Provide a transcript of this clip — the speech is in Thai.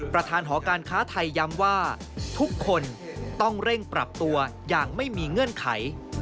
หอการค้าไทยย้ำว่าทุกคนต้องเร่งปรับตัวอย่างไม่มีเงื่อนไข